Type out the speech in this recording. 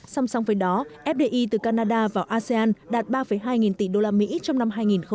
song song với đó fdi từ canada vào asean đạt ba hai nghìn tỷ đô la mỹ trong năm hai nghìn một mươi chín